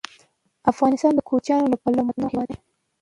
افغانستان د کوچیانو له پلوه یو متنوع هېواد دی.